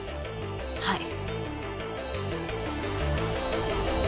はい。